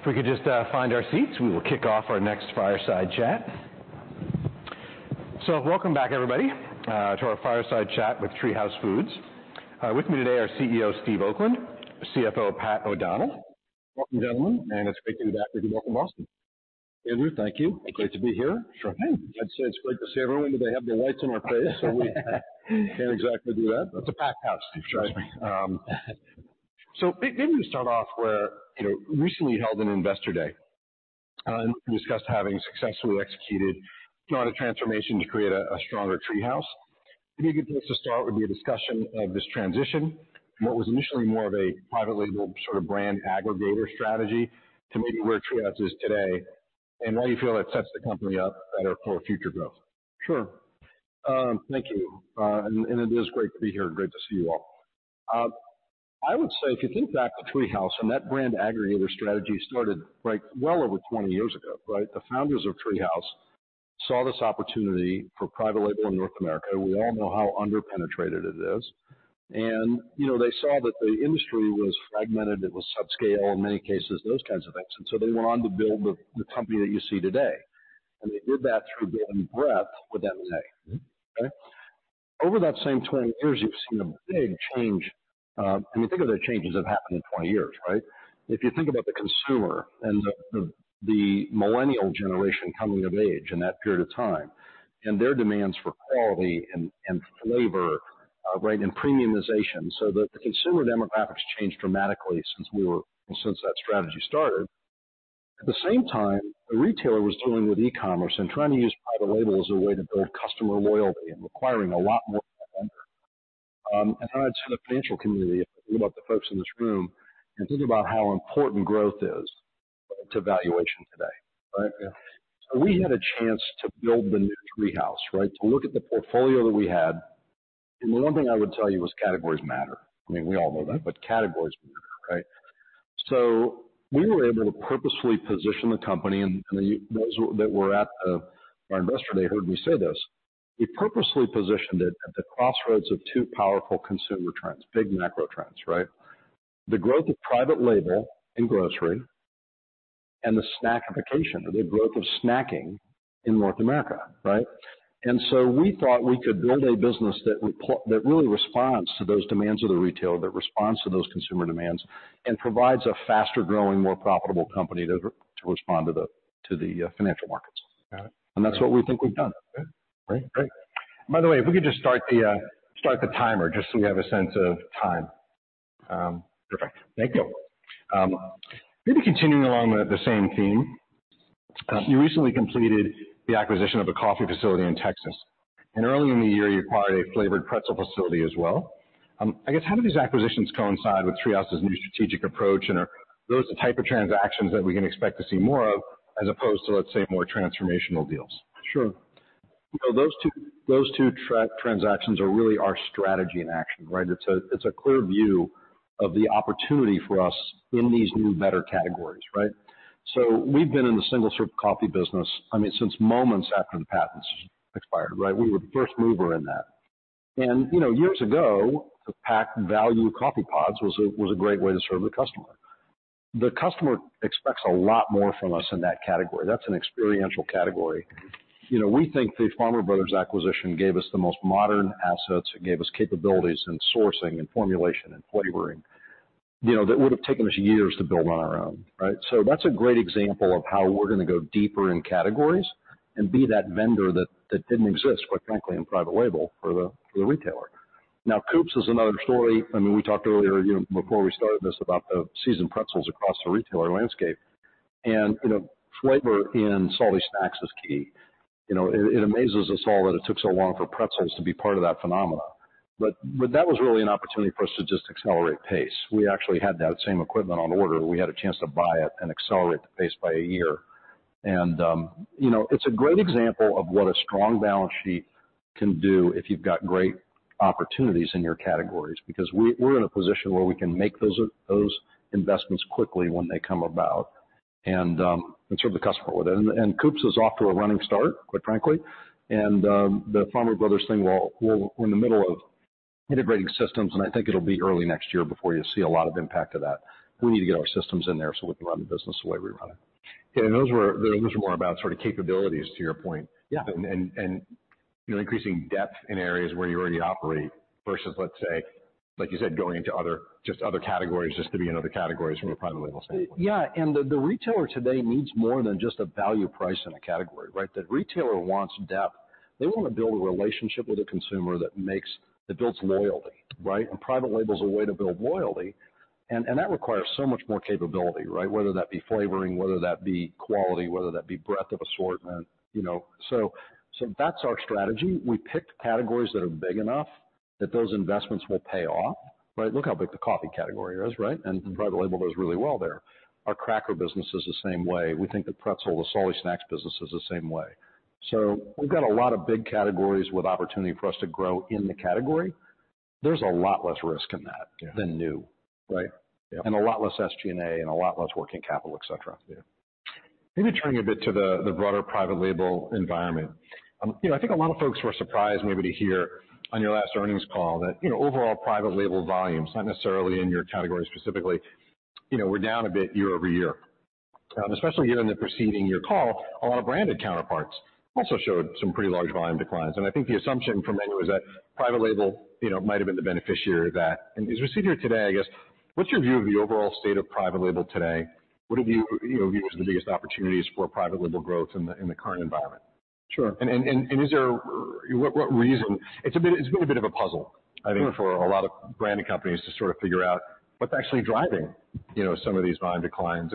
If we could just find our seats, we will kick off our next fireside chat. So welcome back, everybody, to our fireside chat with TreeHouse Foods. With me today are CEO Steve Oakland, CFO Pat O'Donnell. Welcome, gentlemen, and it's great to have you back in Boston. Andrew, thank you. Great to be here. Sure. I'd say it's great to see everyone, but they have the lights in our face, so we can't exactly do that. It's a packed house, Steve. Trust me. Maybe we start off where, you know, recently you held an Investor Day, and you discussed having successfully executed quite a transformation to create a stronger TreeHouse. I think a good place to start would be a discussion of this transition, and what was initially more of a private label, sort of brand aggregator strategy to maybe where TreeHouse is today, and why you feel it sets the company up better for future growth. Sure. Thank you. And, and it is great to be here and great to see you all. I would say, if you think back to TreeHouse and that brand aggregator strategy started, like, well over 20 years ago, right? The founders of TreeHouse saw this opportunity for private label in North America. We all know how underpenetrated it is. And, you know, they saw that the industry was fragmented, it was subscale in many cases, those kinds of things. And so they went on to build the company that you see today, and they did that through building breadth with M&A. Okay? Over that same 20 years, you've seen a big change. I mean, think of the changes that have happened in 20 years, right? If you think about the consumer and the millennial generation coming of age in that period of time, and their demands for quality and flavor, right, and premiumization, so the consumer demographics changed dramatically since that strategy started. At the same time, the retailer was dealing with e-commerce and trying to use private label as a way to build customer loyalty and requiring a lot more from a vendor. And then I'd say the financial community, if you think about the folks in this room and think about how important growth is to valuation today, right? Yeah. So we had a chance to build the new TreeHouse, right? To look at the portfolio that we had, and the one thing I would tell you is categories matter. I mean, we all know that, but categories matter, right? So we were able to purposefully position the company, and those that were at our investor day heard me say this: We purposefully positioned it at the crossroads of two powerful consumer trends, big macro trends, right? The growth of private label in grocery and the snackification, or the growth of snacking in North America, right? And so we thought we could build a business that really responds to those demands of the retailer, that responds to those consumer demands, and provides a faster growing, more profitable company to the financial markets. Got it. That's what we think we've done. Good. Great, great. By the way, if we could just start the timer just so we have a sense of time. Perfect. Thank you. Maybe continuing along with the same theme, you recently completed the acquisition of a coffee facility in Texas, and earlier in the year, you acquired a flavored pretzel facility as well. I guess, how do these acquisitions coincide with TreeHouse's new strategic approach, and are those the type of transactions that we can expect to see more of, as opposed to, let's say, more transformational deals? Sure. You know, those two transactions are really our strategy in action, right? It's a clear view of the opportunity for us in these new, better categories, right? So we've been in the single-serve coffee business, I mean, since moments after the patents expired, right? We were the first mover in that. And, you know, years ago, the packed value coffee pods was a great way to serve the customer. The customer expects a lot more from us in that category. That's an experiential category. You know, we think the Farmer Brothers acquisition gave us the most modern assets. It gave us capabilities in sourcing and formulation and flavoring, you know, that would have taken us years to build on our own, right? So that's a great example of how we're gonna go deeper in categories and be that vendor that, that didn't exist, quite frankly, in private label for the, for the retailer. Now, Koops is another story. I mean, we talked earlier, you know, before we started this, about the seasoned pretzels across the retailer landscape. And, you know, flavor in salty snacks is key. You know, it, it amazes us all that it took so long for pretzels to be part of that phenomena. But, but that was really an opportunity for us to just accelerate pace. We actually had that same equipment on order. We had a chance to buy it and accelerate the pace by a year. You know, it's a great example of what a strong balance sheet can do if you've got great opportunities in your categories, because we're in a position where we can make those, those investments quickly when they come about and serve the customer with it. Koops is off to a running start, quite frankly, and the Farmer Brothers thing, well, we're in the middle of integrating systems, and I think it'll be early next year before you see a lot of impact of that. We need to get our systems in there so we can run the business the way we run it. Those are more about sort of capabilities, to your point. Yeah. You know, increasing depth in areas where you already operate versus, let's say, like you said, going into other, just other categories, just to be in other categories from a private label standpoint. Yeah, and the retailer today needs more than just a value price in a category, right? The retailer wants depth. They want to build a relationship with the consumer that makes... that builds loyalty, right? And private label is a way to build loyalty, and that requires so much more capability, right? Whether that be flavoring, whether that be quality, whether that be breadth of assortment, you know. So that's our strategy. We picked categories that are big enough that those investments will pay off, right? Look how big the coffee category is, right? And the private label does really well there. Our cracker business is the same way. We think the pretzel, the salty snacks business, is the same way. So we've got a lot of big categories with opportunity for us to grow in the category. There's a lot less risk in that- Yeah. -than new, right? Yeah. A lot less SG&A and a lot less working capital, et cetera. Yeah. Maybe turning a bit to the broader private label environment. You know, I think a lot of folks were surprised maybe to hear on your last earnings call that, you know, overall private label volumes, not necessarily in your category specifically, you know, were down a bit year-over-year. Especially given the preceding year call, a lot of branded counterparts also showed some pretty large volume declines. And I think the assumption from many was that private label, you know, might have been the beneficiary of that. And as we sit here today, I guess, what's your view of the overall state of private label today? What have you, you know, view as the biggest opportunities for private label growth in the current environment? Sure. It's been a bit of a puzzle, I think, for a lot of branded companies to sort of figure out what's actually driving, you know, some of these volume declines.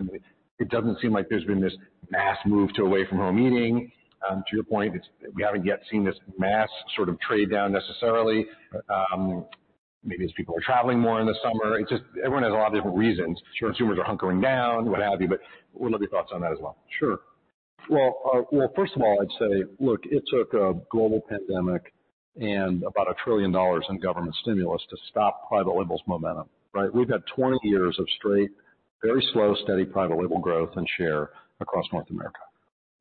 It doesn't seem like there's been this mass move to away from home eating, to your point. We haven't yet seen this mass sort of trade down necessarily. Maybe as people are traveling more in the summer, it's just everyone has a lot of different reasons. Sure. Consumers are hunkering down, what have you, but would love your thoughts on that as well. Sure. Well, first of all, I'd say, look, it took a global pandemic and about $1 trillion in government stimulus to stop private label's momentum, right? We've had 20 years of straight, very slow, steady private label growth and share across North America.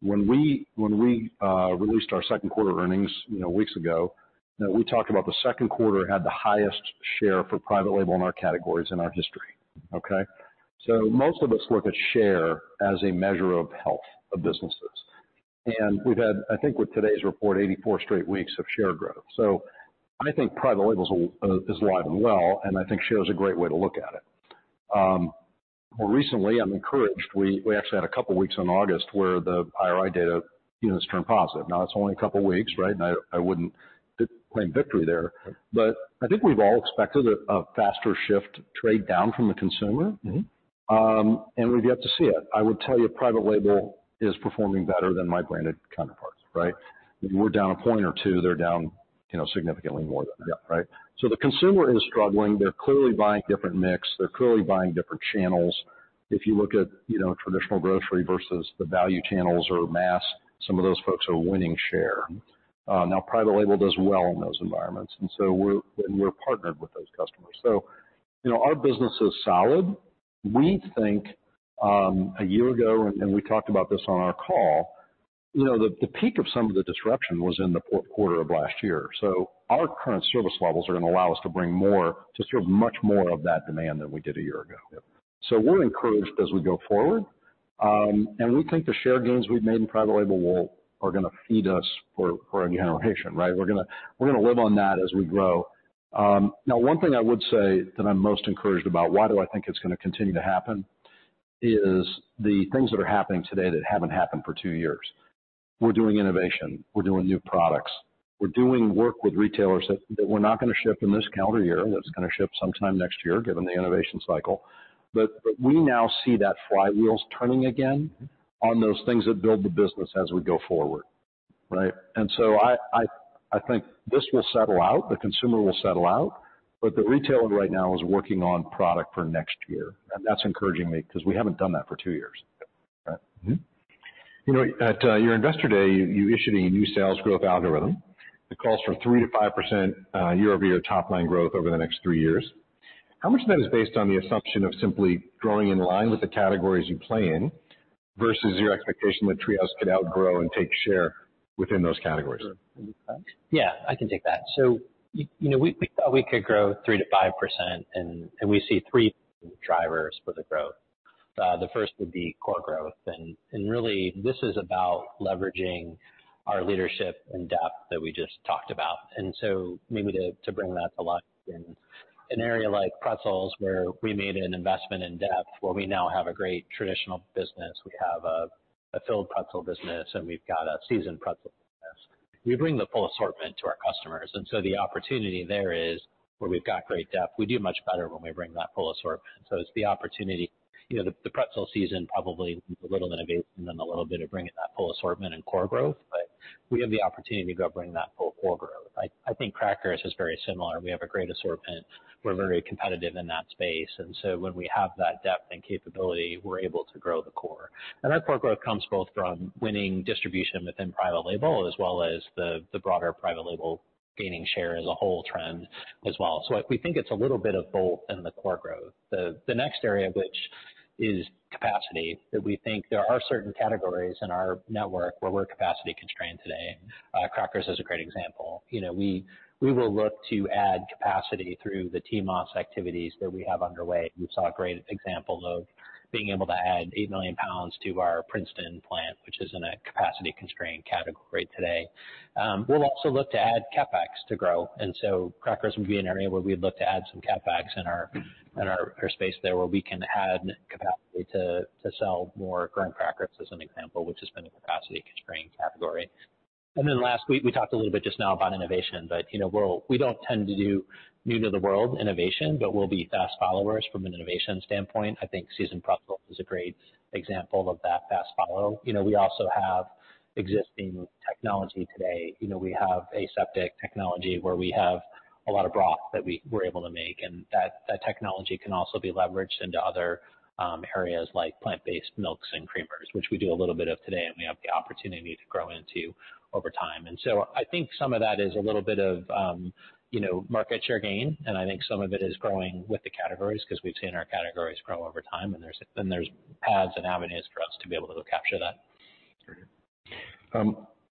When we released our second quarter earnings, you know, weeks ago, you know, we talked about the second quarter had the highest share for private label in our categories in our history, okay? So most of us look at share as a measure of health of businesses. And we've had, I think, with today's report, 84 straight weeks of share growth. So I think private labels is alive and well, and I think share is a great way to look at it. More recently, I'm encouraged, we actually had a couple of weeks in August where the IRI data, you know, has turned positive. Now it's only a couple of weeks, right? And I wouldn't claim victory there, but I think we've all expected a faster shift trade down from the consumer. Mm-hmm. We've yet to see it. I would tell you private label is performing better than my branded counterparts, right? We're down a point or two, they're down, you know, significantly more than that. Yeah. Right? So the consumer is struggling. They're clearly buying different mix. They're clearly buying different channels. If you look at, you know, traditional grocery versus the value channels or mass, some of those folks are winning share. Now, private label does well in those environments, and so we're partnered with those customers. So, you know, our business is solid. We think, a year ago, and we talked about this on our call, you know, the peak of some of the disruption was in the fourth quarter of last year. So our current service levels are gonna allow us to bring more, to serve much more of that demand than we did a year ago. Yeah. So we're encouraged as we go forward. And we think the share gains we've made in private label will, are gonna feed us for, for a generation, right? We're gonna, we're gonna live on that as we grow. Now, one thing I would say that I'm most encouraged about, why do I think it's gonna continue to happen, is the things that are happening today that haven't happened for two years. We're doing innovation, we're doing new products, we're doing work with retailers that, that we're not gonna ship in this calendar year, that's gonna ship sometime next year, given the innovation cycle. But we now see that flywheel's turning again on those things that build the business as we go forward, right? And so I think this will settle out, the consumer will settle out, but the retailer right now is working on product for next year, and that's encouraging me because we haven't done that for two years. Yeah. Right? Mm-hmm. You know, at your Investor Day, you issued a new sales growth algorithm that calls for 3%-5% year-over-year top line growth over the next three years. How much of that is based on the assumption of simply growing in line with the categories you play in, versus your expectation that TreeHouse could outgrow and take share within those categories? Yeah, I can take that. So, you know, we thought we could grow 3%-5%, and we see three drivers for the growth. The first would be core growth. And really, this is about leveraging our leadership and depth that we just talked about. And so maybe to bring that to life in an area like pretzels, where we made an investment in depth, where we now have a great traditional business. We have a filled pretzel business, and we've got a seasoned pretzel business. We bring the full assortment to our customers, and so the opportunity there is, where we've got great depth, we do much better when we bring that full assortment. So it's the opportunity. You know, the pretzel season probably needs a little innovation and a little bit of bringing that full assortment and core growth, but we have the opportunity to go bring that full core growth. I think crackers is very similar. We have a great assortment. We're very competitive in that space, and so when we have that depth and capability, we're able to grow the core. And that core growth comes both from winning distribution within private label, as well as the broader private label gaining share as a whole trend as well. So we think it's a little bit of both in the core growth. The next area, which is capacity, that we think there are certain categories in our network where we're capacity constrained today. Crackers is a great example. You know, we will look to add capacity through the TMOS activities that we have underway. We saw a great example of being able to add 8 million lbs to our Princeton plant, which is in a capacity-constrained category today. We'll also look to add CapEx to grow, and so crackers would be an area where we'd look to add some CapEx in our space there, where we can add capacity to sell more graham crackers, as an example, which has been a capacity-constrained category. And then last, we talked a little bit just now about innovation, but, you know, we're we don't tend to do new-to-the-world innovation, but we'll be fast followers from an innovation standpoint. I think seasoned pretzel is a great example of that fast follow. You know, we also have existing technology today. You know, we have aseptic technology, where we have a lot of broth that we're able to make, and that, that technology can also be leveraged into other areas like plant-based milks and creamers, which we do a little bit of today, and we have the opportunity to grow into over time. And so I think some of that is a little bit of, you know, market share gain, and I think some of it is growing with the categories, because we've seen our categories grow over time, and there's, and there's paths and avenues for us to be able to capture that.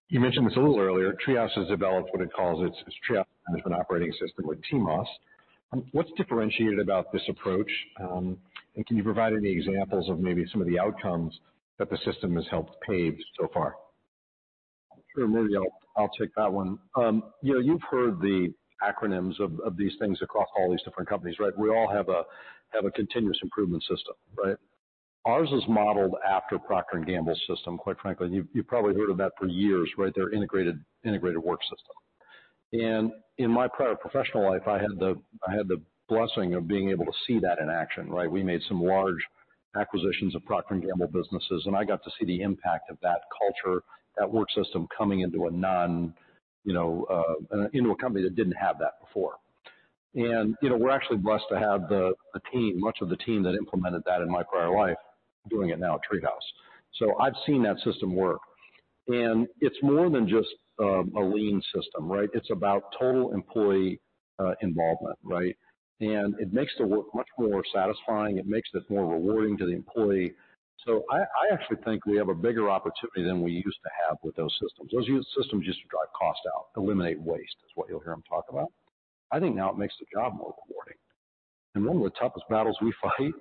You mentioned this a little earlier. TreeHouse has developed what it calls its, its TreeHouse Management Operating System, or TMOS. What's differentiated about this approach? Can you provide any examples of maybe some of the outcomes that the system has helped pave so far? Sure, maybe I'll take that one. You know, you've heard the acronyms of these things across all these different companies, right? We all have a continuous improvement system, right? Ours is modeled after Procter & Gamble's system, quite frankly. You've probably heard of that for years, right? Their Integrated Work System. And in my prior professional life, I had the blessing of being able to see that in action, right? We made some large acquisitions of Procter & Gamble businesses, and I got to see the impact of that culture, that work system coming into, you know, a company that didn't have that before. And, you know, we're actually blessed to have the team, much of the team that implemented that in my prior life, doing it now at TreeHouse. So I've seen that system work. And it's more than just a lean system, right? It's about total employee involvement, right? And it makes the work much more satisfying. It makes it more rewarding to the employee. So I actually think we have a bigger opportunity than we used to have with those systems. Those used systems just to drive cost out, eliminate waste, is what you'll hear them talk about. I think now it makes the job more rewarding. And one of the toughest battles we fight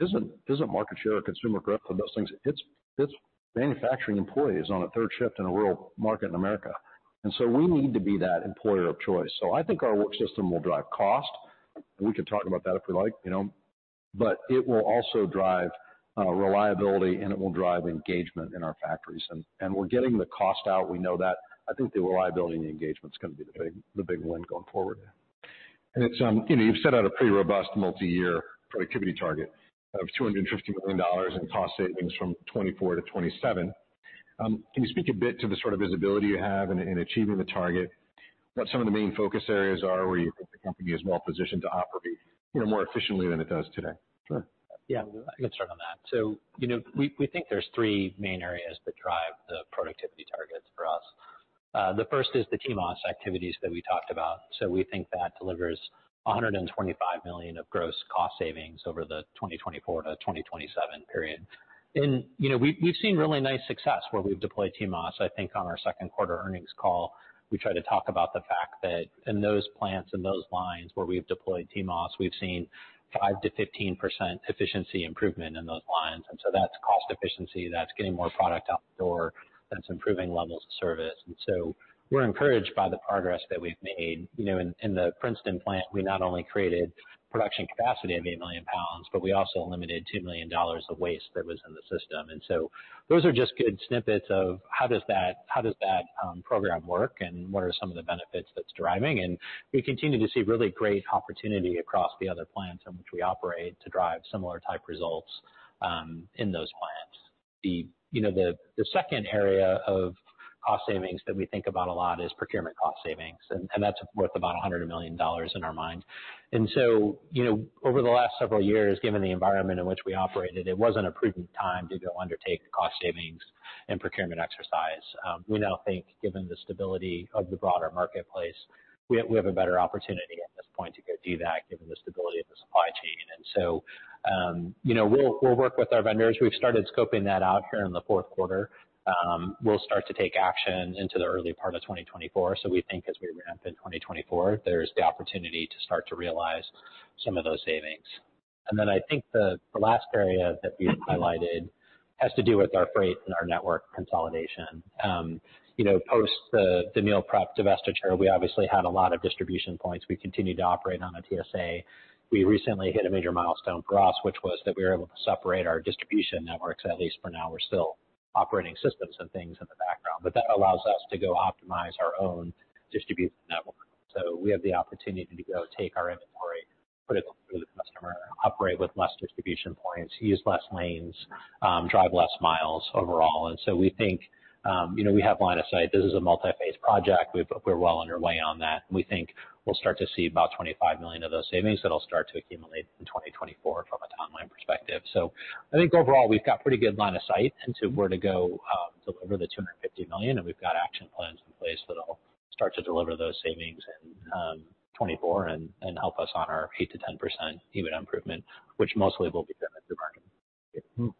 isn't market share or consumer growth or those things. It's manufacturing employees on a third shift in a rural market in America, and so we need to be that employer of choice. So I think our work system will drive cost, and we can talk about that if we like, you know, but it will also drive, reliability, and it will drive engagement in our factories. And we're getting the cost out, we know that. I think the reliability and the engagement is gonna be the big win going forward. It's, you know, you've set out a pretty robust multi-year productivity target of $250 million in cost savings from 2024-2027. Can you speak a bit to the sort of visibility you have in achieving the target? What some of the main focus areas are, where you think the company is well positioned to operate, you know, more efficiently than it does today? Sure. Yeah, I can start on that. So, you know, we think there's three main areas that drive the productivity targets for us. The first is the TMOS activities that we talked about. So we think that delivers $125 million of gross cost savings over the 2024-2027 period. And, you know, we've seen really nice success where we've deployed TMOS. I think on our second quarter earnings call, we tried to talk about the fact that in those plants and those lines where we've deployed TMOS, we've seen 5%-15% efficiency improvement in those lines. And so that's cost efficiency, that's getting more product out the door, that's improving levels of service. And so we're encouraged by the progress that we've made. You know, in the Princeton plant, we not only created production capacity of 8 million lbs, but we also eliminated $2 million of waste that was in the system. And so those are just good snippets of how does that, how does that program work, and what are some of the benefits that's driving. And we continue to see really great opportunity across the other plants in which we operate, to drive similar type results in those plants. You know, the second area of cost savings that we think about a lot is procurement cost savings, and that's worth about $100 million in our mind. And so, you know, over the last several years, given the environment in which we operated, it wasn't a prudent time to go undertake cost savings and procurement exercise. We now think, given the stability of the broader marketplace, we have a better opportunity at this point to go do that, given the stability of the supply chain. And so, you know, we'll work with our vendors. We've started scoping that out here in the fourth quarter. We'll start to take action into the early part of 2024. So we think as we ramp in 2024, there's the opportunity to start to realize some of those savings. And then I think the last area that we highlighted has to do with our freight and our network consolidation. You know, post the meal prep divestiture, we obviously had a lot of distribution points. We continued to operate on a TSA. We recently hit a major milestone for us, which was that we were able to separate our distribution networks, at least for now. We're still operating systems and things in the background, but that allows us to go optimize our own distribution network. So we have the opportunity to go take our inventory, put it through the customer, operate with less distribution points, use less lanes, drive less miles overall. And so we think, you know, we have line of sight. This is a multi-phase project. We're well underway on that, and we think we'll start to see about $25 million of those savings that'll start to accumulate in 2024 from a top-line perspective. I think overall, we've got pretty good line of sight into where to go to deliver the $250 million, and we've got action plans in place that'll start to deliver those savings in 2024 and help us on our 8%-10% EBIT improvement, which mostly will be driven through margin.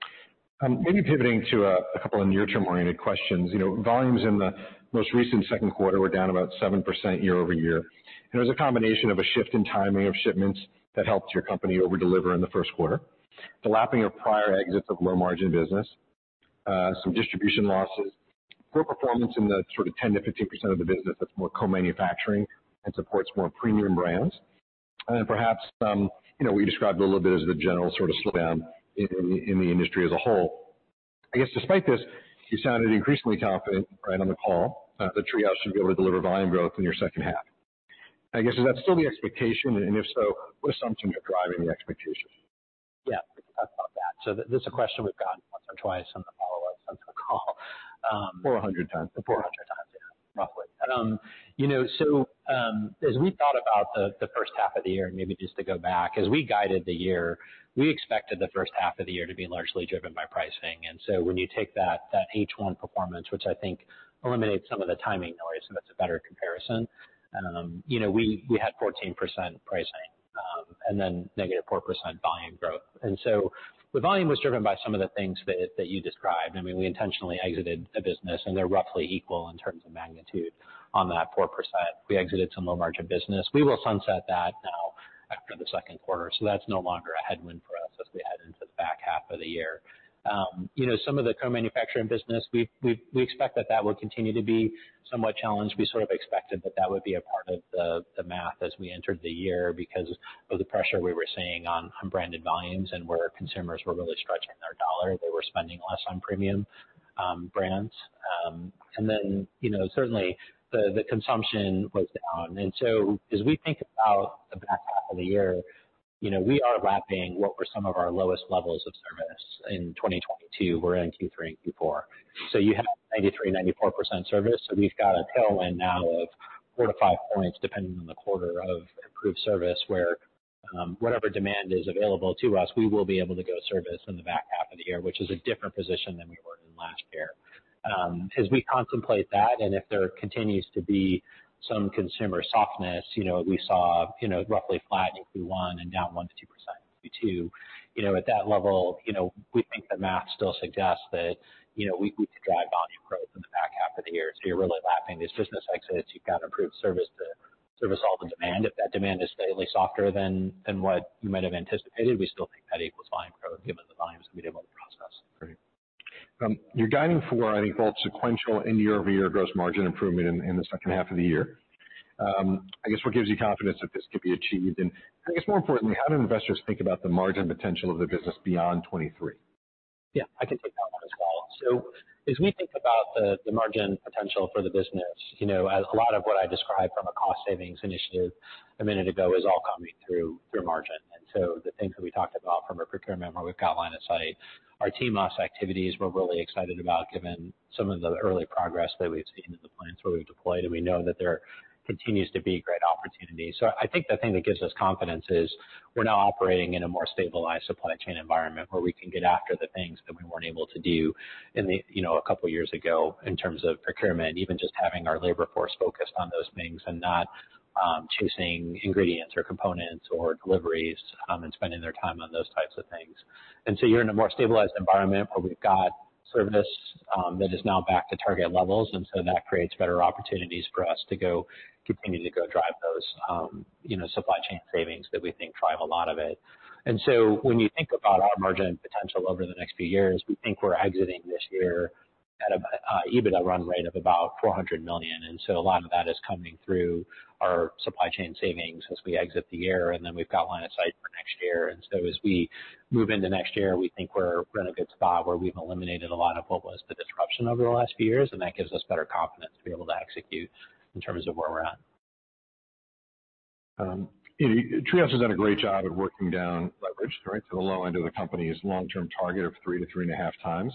Maybe pivoting to a couple of near-term-oriented questions. You know, volumes in the most recent second quarter were down about 7% year-over-year. And it was a combination of a shift in timing of shipments that helped your company over-deliver in the first quarter, the lapping of prior exits of low-margin business, some distribution losses, poor performance in the sort of 10%-15% of the business that's more co-manufacturing and supports more premium brands, and then perhaps some, you know, we described it a little bit as the general sort of slowdown in the industry as a whole. I guess despite this, you sounded increasingly confident, right on the call, that TreeHouse should be able to deliver volume growth in your second half. I guess, is that still the expectation? And if so, what assumptions are driving the expectations? Yeah, I can talk about that. So this is a question we've gotten once or twice on the follow-up since the call. 400 times. 400 times, yeah, roughly. You know, so, as we thought about the first half of the year, and maybe just to go back, as we guided the year, we expected the first half of the year to be largely driven by pricing. So when you take that H1 performance, which I think eliminates some of the timing noise, and that's a better comparison, you know, we had 14% pricing, and then -4% volume growth. So the volume was driven by some of the things that you described. I mean, we intentionally exited a business, and they're roughly equal in terms of magnitude on that 4%. We exited some low-margin business. We will sunset that now after the second quarter, so that's no longer a headwind for us as we head into the back half of the year. You know, some of the co-manufacturing business, we expect that will continue to be somewhat challenged. We sort of expected that would be a part of the math as we entered the year because of the pressure we were seeing on branded volumes and where consumers were really stretching their dollar. They were spending less on premium brands. And then, you know, certainly the consumption was down. And so as we think about the back half of the year, you know, we are lapping what were some of our lowest levels of service in 2022. We're in Q3 and Q4. So you have 93%-94% service. So we've got a tailwind now of four to five points, depending on the quarter of improved service, where, whatever demand is available to us, we will be able to go service in the back half of the year, which is a different position than we were in last year. As we contemplate that, and if there continues to be some consumer softness, you know, we saw, you know, roughly flat in Q1 and down 1%-2% in Q2. You know, at that level, you know, we think the math still suggests that, you know, we, we could drive volume growth in the back half of the year. So you're really lapping these business exits. You've got improved service to service all the demand. If that demand is slightly softer than what you might have anticipated, we still think that equals volume growth, given the volumes that we'd be able to process. Great. You're guiding for, I think, both sequential and year-over-year gross margin improvement in the second half of the year. I guess, what gives you confidence that this can be achieved? And I guess more importantly, how do investors think about the margin potential of the business beyond 2023? Yeah, I can take that one as well. So as we think about the margin potential for the business, you know, as a lot of what I described from a cost savings initiative a minute ago is all coming through margin. And so the things that we talked about from a procurement where we've got line of sight, our TMOS activities, we're really excited about, given some of the early progress that we've seen in the plants where we've deployed, and we know that there continues to be great opportunities. So I think the thing that gives us confidence is we're now operating in a more stabilized supply chain environment, where we can get after the things that we weren't able to do in the... You know, a couple of years ago in terms of procurement, even just having our labor force focused on those things and not chasing ingredients or components or deliveries, and spending their time on those types of things. And so you're in a more stabilized environment where we've got service that is now back to target levels, and so that creates better opportunities for us to go continue to go drive those, you know, supply chain savings that we think drive a lot of it. And so when you think about our margin potential over the next few years, we think we're exiting this year at a EBITDA run rate of about $400 million. And so a lot of that is coming through our supply chain savings as we exit the year, and then we've got line of sight for next year. And so as we move into next year, we think we're in a good spot where we've eliminated a lot of what was the disruption over the last few years, and that gives us better confidence to be able to execute in terms of where we're at. TreeHouse has done a great job at working down leverage, right, to the low end of the company's long-term target of three to 3.5 times.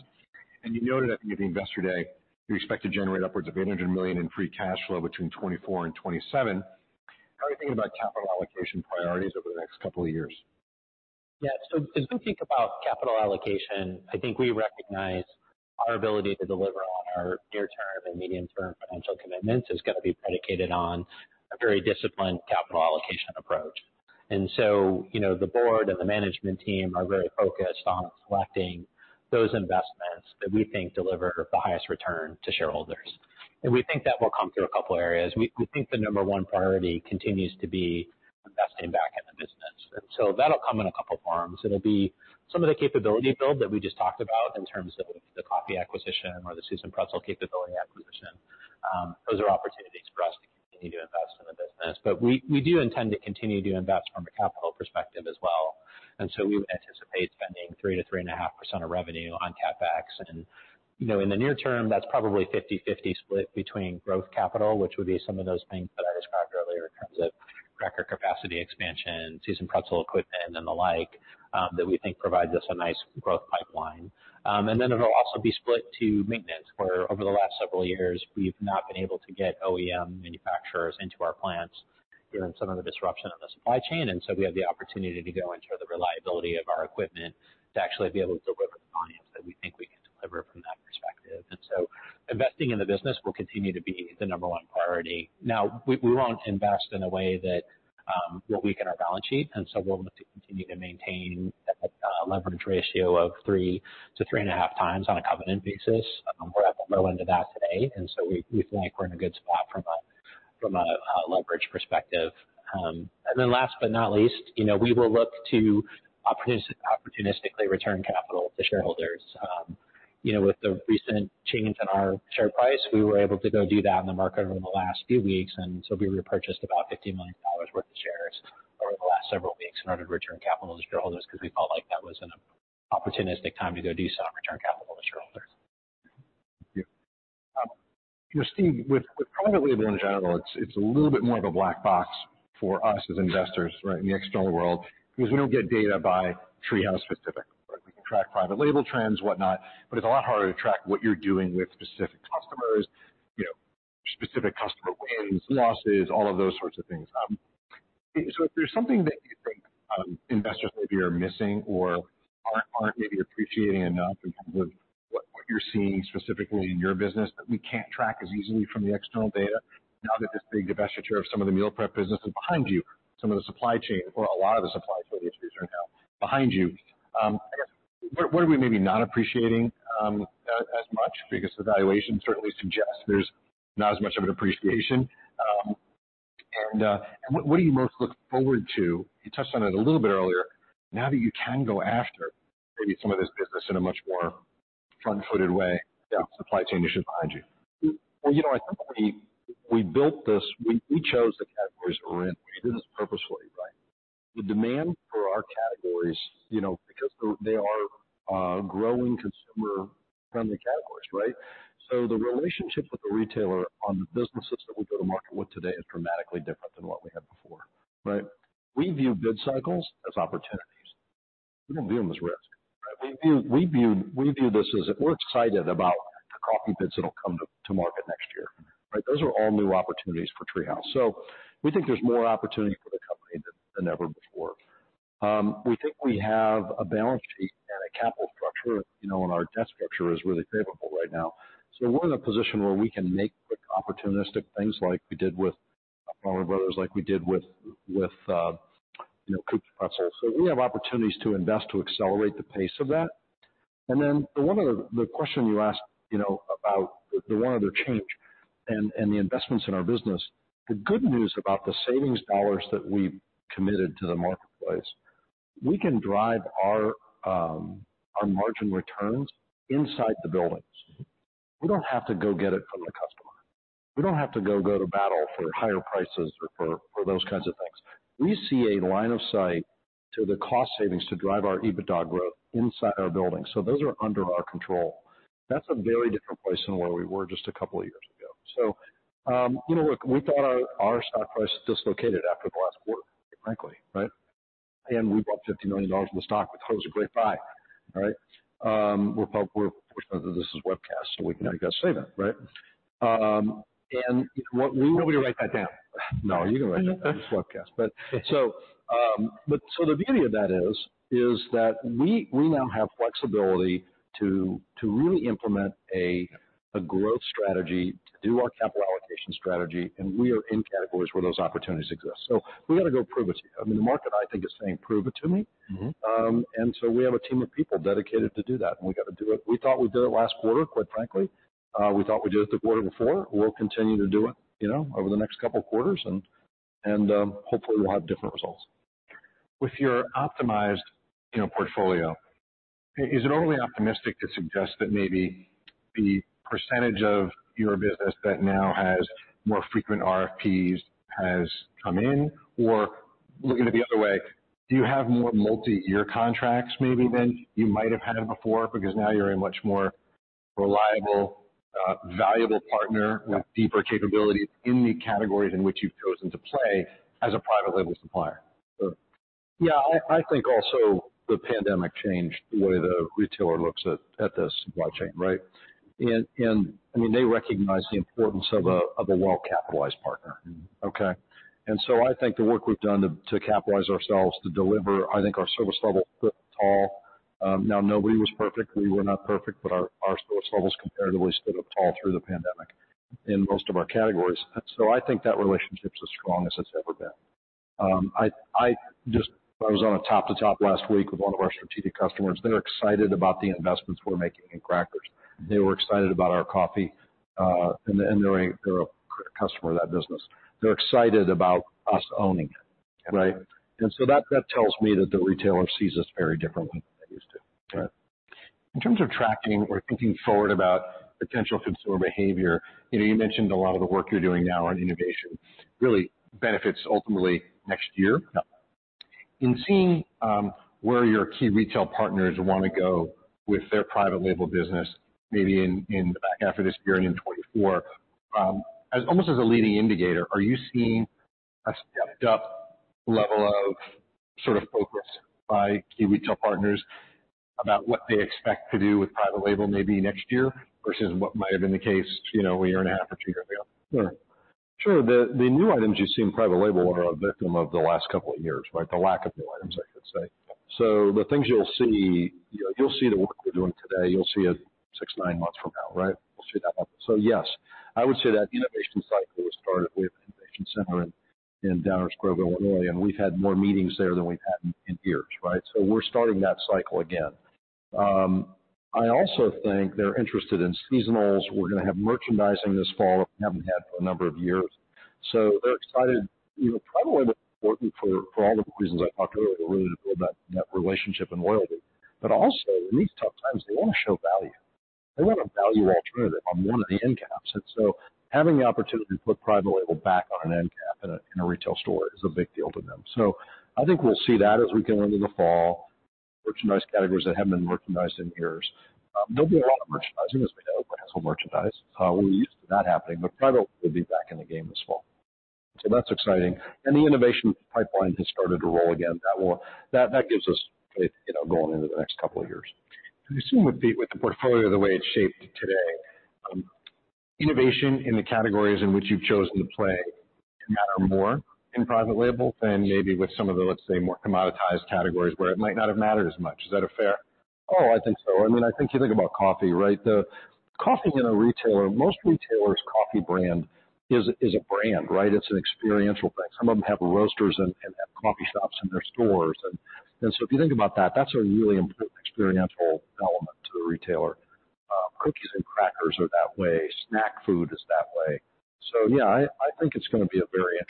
And you noted at the beginning of Investor Day, you expect to generate upwards of $800 million in free cash flow between 2024 and 2027. How are you thinking about capital allocation priorities over the next couple of years? Yeah. So as we think about capital allocation, I think we recognize our ability to deliver on our near-term and medium-term financial commitments is gonna be predicated on a very disciplined capital allocation approach. And so, you know, the board and the management team are very focused on selecting those investments that we think deliver the highest return to shareholders. And we think that will come through a couple of areas. We, we think the number one priority continues to be investing back in the business. And so that'll come in a couple of forms. It'll be some of the capability build that we just talked about in terms of the coffee acquisition or the seasoned pretzel capability acquisition. Those are opportunities for us to continue to invest in the business. But we, we do intend to continue to invest from a capital perspective as well. We anticipate spending 3%-3.5% of revenue on CapEx. You know, in the near term, that's probably 50/50 split between growth capital, which would be some of those things that I described earlier in terms of cracker capacity expansion, seasoned pretzel equipment, and the like, that we think provides us a nice growth pipeline. And then it'll also be split to maintenance, where over the last several years, we've not been able to get OEM manufacturers into our plants during some of the disruption on the supply chain. And so we have the opportunity to go ensure the reliability of our equipment to actually be able to deliver the volumes that we think we can deliver from that perspective. And so investing in the business will continue to be the number one priority. Now, we won't invest in a way that will weaken our balance sheet, and so we'll look to continue to maintain a leverage ratio of three to 3.5 times on a covenant basis. We're at the low end of that today, and so we think we're in a good spot from a leverage perspective. And then last but not least, you know, we will look to opportunistically return capital to shareholders. You know, with the recent change in our share price, we were able to go do that in the market over the last few weeks, and so we repurchased about $50 million worth of shares over the last several weeks in order to return capital to shareholders because we felt like that was an opportunistic time to go do some return capital to shareholders. Thank you. Steve, with private label in general, it's a little bit more of a black box for us as investors, right, in the external world, because we don't get data by TreeHouse specific. But we can track private label trends, whatnot, but it's a lot harder to track what you're doing with specific customers, you know, specific customer wins, losses, all of those sorts of things. So if there's something that you think, investors maybe are missing or aren't maybe appreciating enough in terms of what you're seeing specifically in your business, that we can't track as easily from the external data now that this big divestiture of some of the meal prep business is behind you, some of the supply chain or a lot of the supply chain issues are now behind you. I guess, what are we maybe not appreciating as much? Because the valuation certainly suggests there's not as much of an appreciation. And what do you most look forward to, you touched on it a little bit earlier, now that you can go after maybe some of this business in a much more front-footed way? Yeah, supply chain issue behind you. Well, you know, I think we built this... We chose the categories we're in. We did this purposefully, right? The demand for our categories, you know, because they're growing consumer-friendly categories, right? So the relationship with the retailer on the businesses that we go-to-market with today is dramatically different than what we had before, right? We view bid cycles as opportunities. We don't view them as risk, right? We view this as if we're excited about the coffee bids that'll come to market next year, right? Those are all new opportunities for TreeHouse. So we think there's more opportunity for the company than ever before. We think we have a balance sheet and a capital structure, you know, and our debt structure is really favorable right now. So we're in a position where we can make quick, opportunistic things like we did with Farmer Brothers, like we did with you know, Koops Pretzels. So we have opportunities to invest, to accelerate the pace of that. And then the one other, the question you asked, you know, about the one other change and the investments in our business. The good news about the savings dollars that we've committed to the marketplace, we can drive our our margin returns inside the buildings. We don't have to go get it from the customer. We don't have to go to battle for higher prices or for those kinds of things. We see a line of sight to the cost savings to drive our EBITDA growth inside our buildings, so those are under our control. That's a very different place than where we were just a couple of years ago. So, you know, look, we thought our stock price dislocated after the last quarter, quite frankly, right? And we bought $50 million in the stock, which was a great buy, all right? This is webcast, so we can now just say that, right? And what we- We want you to write that down. No, you can write it down. It's webcast. But so the beauty of that is that we now have flexibility to really implement a growth strategy, to do our capital allocation strategy, and we are in categories where those opportunities exist. So we're gonna go prove it to you. I mean, the market, I think, is saying, "Prove it to me. Mm-hmm. And so we have a team of people dedicated to do that, and we got to do it. We thought we did it last quarter quite frankly. We thought we did it the quarter before. We'll continue to do it, you know, over the next couple of quarters, and hopefully, we'll have different results. With your optimized, you know, portfolio, is it only optimistic to suggest that maybe the percentage of your business that now has more frequent RFPs has come in? Or looking at it the other way, do you have more multi-year contracts maybe than you might have had before? Because now you're in a much more reliable, valuable partner- Yeah. with deeper capabilities in the categories in which you've chosen to play as a private label supplier. Yeah. I think also the pandemic changed the way the retailer looks at the supply chain, right? And I mean, they recognize the importance of a well-capitalized partner. Mm-hmm. Okay? So I think the work we've done to capitalize ourselves to deliver, I think our service level stood tall. Now, nobody was perfect. We were not perfect, but our service levels comparatively stood up tall through the pandemic in most of our categories. So I think that relationship is as strong as it's ever been. I just—I was on a top to top last week with one of our strategic customers. They're excited about the investments we're making in crackers. They were excited about our coffee, and they, they're a customer of that business. They're excited about us owning it, right? Yeah. And so that tells me that the retailer sees us very differently than they used to. Right. In terms of tracking or thinking forward about potential consumer behavior, you know, you mentioned a lot of the work you're doing now on innovation, really benefits ultimately next year. Yeah. In seeing where your key retail partners wanna go with their private label business, maybe in the back half of this year and in 2024, as almost as a leading indicator, are you seeing a stepped-up level of sort of focus by key retail partners about what they expect to do with private label maybe next year, versus what might have been the case, you know, a year and a half or two years ago? Sure. Sure. The new items you see in private label are a victim of the last couple of years, right? The lack of new items, I should say. So the things you'll see, you know, you'll see the work we're doing today. You'll see it six, nine months from now, right? You'll see that level. So yes, I would say that innovation cycle was started with Innovation Center in Downers Grove, Illinois, and we've had more meetings there than we've had in years, right? So we're starting that cycle again. I also think they're interested in seasonals. We're gonna have merchandising this fall, we haven't had for a number of years. So they're excited, you know, probably more important for all of the reasons I talked earlier, really to build that relationship and loyalty. But also, in these tough times, they wanna show value. They want a value alternative on one of the end caps. And so having the opportunity to put private label back on an end cap in a retail store is a big deal to them. So I think we'll see that as we go into the fall. Merchandised categories that haven't been merchandised in years. There'll be a lot of merchandising, as we know, but it's all merchandised. We're used to that happening, but private will be back in the game this fall. So that's exciting. And the innovation pipeline has started to roll again. That gives us faith, you know, going into the next couple of years. I assume with the portfolio, the way it's shaped today, innovation in the categories in which you've chosen to play matter more in private label than maybe with some of the, let's say, more commoditized categories where it might not have mattered as much. Is that a fair? Oh, I think so. I mean, I think you think about coffee, right? The coffee in a retailer, most retailers' coffee brand is a brand, right? It's an experiential thing. Some of them have roasters and have coffee shops in their stores. And so if you think about that, that's a really important experiential element to the retailer. Cookies and crackers are that way, snack food is that way. So yeah, I think it's gonna be a very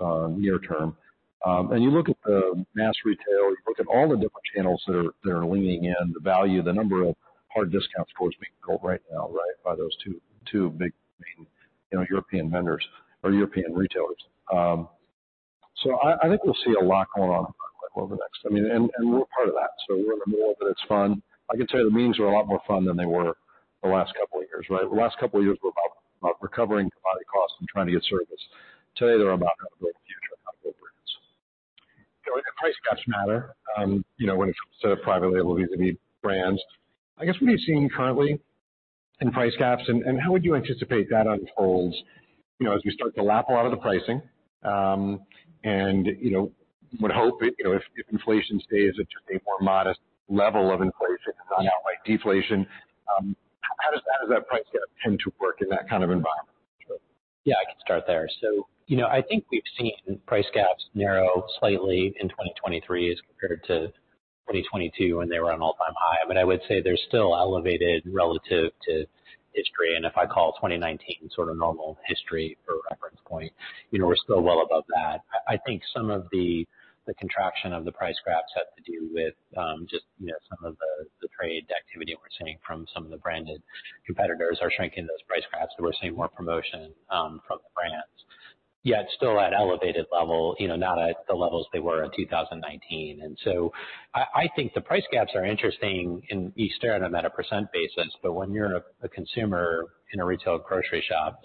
interesting near term. And you look at the mass retail, you look at all the different channels that are leaning in, the value, the number of hard discount stores being built right now, right, by those two big, you know, European vendors or European retailers. So, I think we'll see a lot going on over the next—I mean, and, and we're part of that, so we're in the middle of it. It's fun. I can tell you the meetings are a lot more fun than they were the last couple of years, right? The last couple of years were about recovering commodity costs and trying to get service. Today, they're about how to build the future and how to build brands. So price gaps matter, you know, when it comes to the private label vis-a-vis brands. I guess, what are you seeing currently in price gaps, and how would you anticipate that unfolds, you know, as we start to lap a lot of the pricing, and, you know, would hope that, you know, if inflation stays at just a more modest level of inflation, not outright deflation, how does that price gap tend to work in that kind of environment? Yeah, I can start there. So you know, I think we've seen price gaps narrow slightly in 2023 as compared to 2022, when they were an all-time high. But I would say they're still elevated relative to history, and if I call 2019 sort of normal history or reference point, you know, we're still well above that. I, I think some of the, the contraction of the price gaps have to do with, just, you know, some of the, the trade activity we're seeing from some of the branded competitors are shrinking those price gaps, but we're seeing more promotion, from the brands. Yet still at an elevated level, you know, not at the levels they were in 2019. And so I, I think the price gaps are interesting, and you stare at them at a percent basis, but when you're a consumer in a retail grocery shop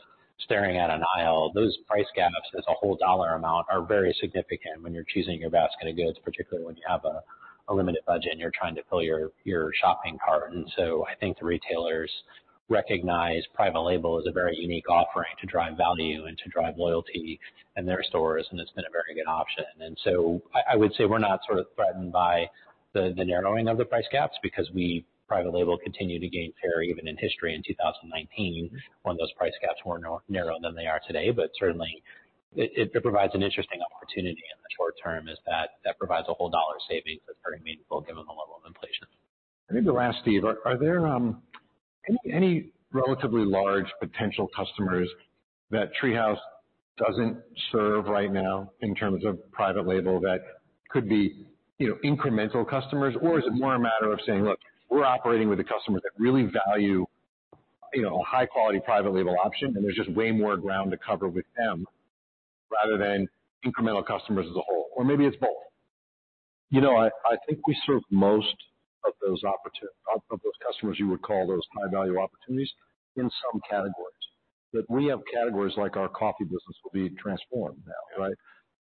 staring at an aisle, those price gaps as a whole dollar amount are very significant when you're choosing your basket of goods, particularly when you have a, a limited budget and you're trying to fill your, your shopping cart. And so I think the retailers recognize private label is a very unique offering to drive value and to drive loyalty in their stores, and it's been a very good option. And so I, I would say we're not sort of threatened by the, the narrowing of the price gaps because we, private label, continue to gain share even in history in 2019, when those price gaps were narrower than they are today. But certainly, it provides an interesting opportunity in the short term, that provides a whole dollar savings that's very meaningful given the level of inflation. I think the last, Steve, are there any relatively large potential customers that TreeHouse doesn't serve right now in terms of private label that could be, you know, incremental customers? Or is it more a matter of saying, "Look, we're operating with a customer that really value, you know, high quality private label option, and there's just way more ground to cover with them rather than incremental customers as a whole," or maybe it's both? You know, I, I think we serve most of those opportunities—of, of those customers you would call those high-value opportunities in some categories. But we have categories like our coffee business will be transformed now, right?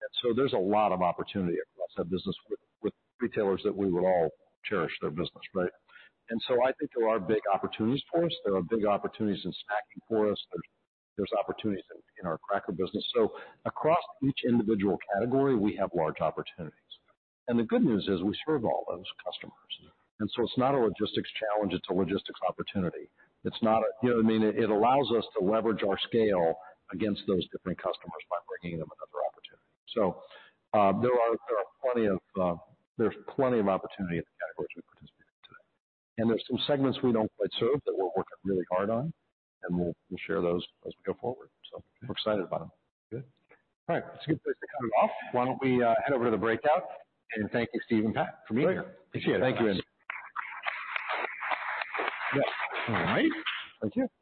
And so there's a lot of opportunity across our business with, with retailers that we would all cherish their business, right? And so I think there are big opportunities for us. There are big opportunities in snacking for us. There's, there's opportunities in, in our cracker business. So across each individual category, we have large opportunities. And the good news is we serve all those customers, and so it's not a logistics challenge, it's a logistics opportunity. It's not a... You know what I mean? It allows us to leverage our scale against those different customers by bringing them another opportunity. So, there's plenty of opportunity in the categories we participate in today. There's some segments we don't quite serve that we're working really hard on, and we'll share those as we go forward. We're excited about them. Good. All right, it's a good place to cut it off. Why don't we head over to the breakout and thank you, Steve and Pat, for being here. Great. Appreciate it. Thank you. All right. Thank you.